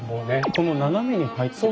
この斜めに入った線。